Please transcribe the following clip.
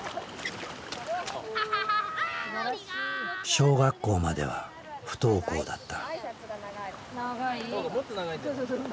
小学校までは不登校だった。